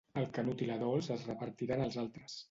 El Canut i la Dols es repartiran els altres.